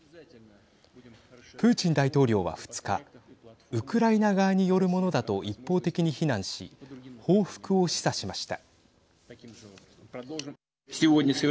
プーチン大統領は２日ウクライナ側によるものだと一方的に非難し報復を示唆しました。